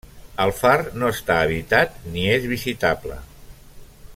El far no està habitat ni és visitable.